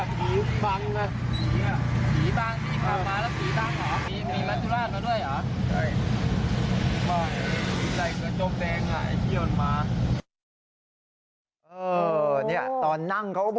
อ๋อผีทักบาย